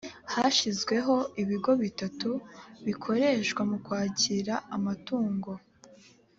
hashyizweho ibigo bitatu bikoreshwa mu kwakira amatungo